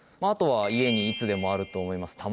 あとは家にいつでもあると思います